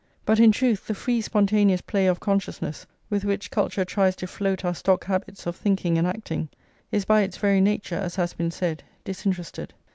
But, in truth, the free spontaneous play of consciousness with which culture tries to float our stock habits of thinking and acting, is by its very nature, as has been said, disinterested.